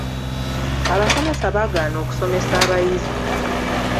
Abasomesa baagaana okusomesa abayizi.